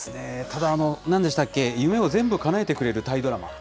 ただ、なんでしたっけ、夢を全部かなえてくれるタイドラマ。